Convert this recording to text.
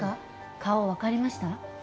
顔分かりました？